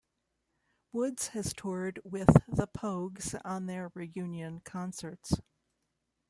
Woods has toured with The Pogues on their reunion concerts.